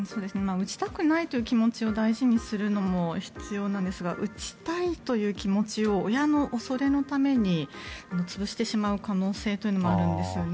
打ちたくないという気持ちを大事にするのも必要なんですが打ちたいという気持ちを親の恐れのために潰してしまう可能性というのもあるんですよね。